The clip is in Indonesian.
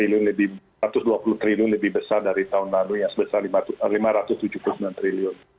satu ratus dua puluh triliun lebih besar dari tahun lalu yang sebesar rp lima ratus tujuh puluh sembilan triliun